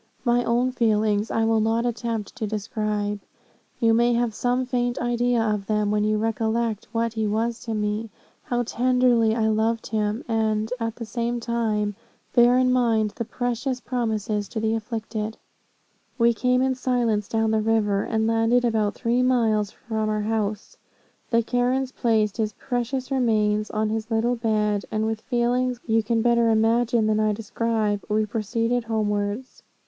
My own feelings I will not attempt to describe. You may have some faint idea of them, when you recollect what he was to me, how tenderly I loved him, and, at the same time, bear in mind the precious promises to the afflicted. "We came in silence down the river, and landed about three miles from our house. The Karens placed his precious remains on his little bed, and with feelings which you can better imagine than I describe, we proceeded homewards.